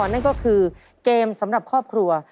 นั่นก็คือเกมสำหรับครอบครัว